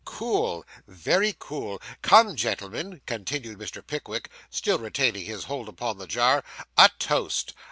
Cool; very cool. Come, gentlemen,' continued Mr. Pickwick, still retaining his hold upon the jar, 'a toast.